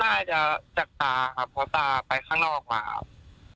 น่าจะจากตาพอตาไปข้างนอกกว่าครับ